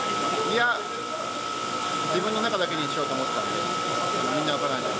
いや、自分の中だけにしようと思ったんで、みんなは。